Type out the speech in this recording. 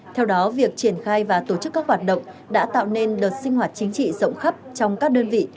theo đó việc triển khai và tổ chức các hoạt động đã tạo nên đợt sinh hoạt chính trị rộng khắp trong các đơn vị